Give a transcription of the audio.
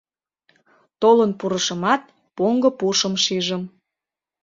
Толын пурышымат — поҥго пушым шижым.